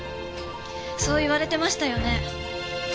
そう言われてましたよね？